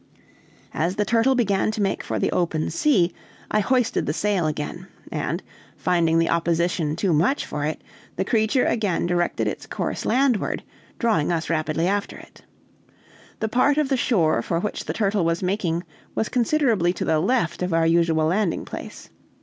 As the turtle began to make for the open sea, I hoisted the sail again; and, finding the opposition too much for it, the creature again directed its course landward, drawing us rapidly after it. The part of the shore for which the turtle was making was considerably to the left of our usual landing place.